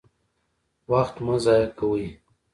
وخت مه ضایع کوئ